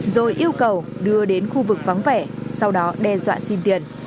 rồi yêu cầu đưa đến khu vực vắng vẻ sau đó đe dọa xin tiền